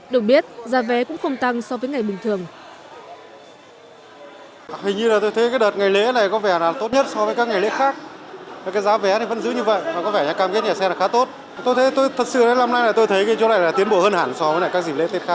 được biết giá vé cũng không tăng so với ngày bình thường